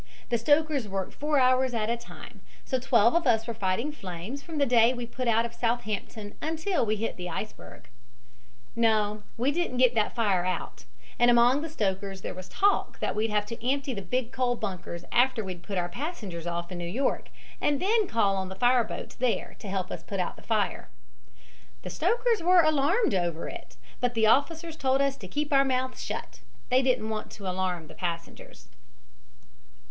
The stokers worked four hours at a time, so twelve of us were fighting flames from the day we put out of Southampton until we hit the iceberg. "No, we didn't get that fire out, and among the stokers there was talk that we'd have to empty the big coal bunkers after we'd put our passengers off in New York, and then call on the fire boats there to help us put out the fire. "The stokers were alarmed over it, but the officers told us to keep our mouths shut they didn't want to alarm the passengers."